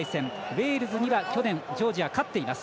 ウェールズには去年ジョージア、勝っています。